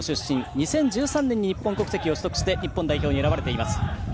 ２０１３年に日本国籍を取得して日本代表に選ばれています。